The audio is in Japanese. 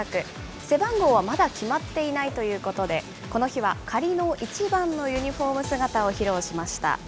背番号はまだ決まっていないということで、この日は仮の１番のユニホーム姿を披露しました。